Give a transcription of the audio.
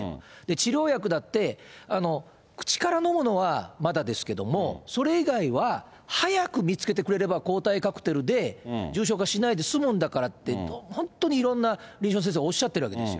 治療薬だって、口から飲むのはまだですけども、それ以外は早く見つけてくれれば抗体カクテルで重症化しないで済むんだからって、本当にいろんな臨床の先生がおっしゃってるわけですよ。